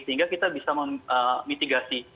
sehingga kita bisa memitigasi